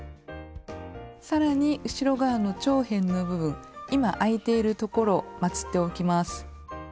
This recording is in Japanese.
さらに後ろ側の長辺の部分今開いているところをまつっておきます。